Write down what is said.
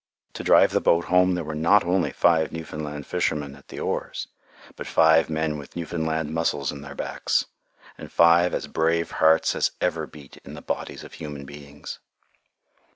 To drive the boat home there were not only five Newfoundland fishermen at the oars, but five men with Newfoundland muscles in their backs, and five as brave hearts as ever beat in the bodies of human beings.